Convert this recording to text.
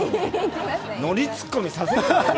ノリツッコミさせるなよ。